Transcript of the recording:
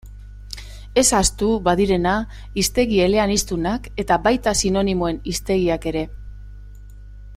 Ez ahaztu badirena hiztegi eleaniztunak eta baita sinonimoen hiztegiak ere.